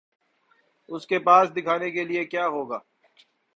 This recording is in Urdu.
اس کے پاس دکھانے کے لیے کیا ہو گا؟